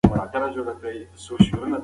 ناسا د سایکي ماموریت ترسره کوي.